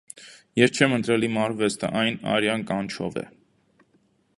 Ես չեմ ընտրել իմ արվեստը, այն իմ արյան կանչով է։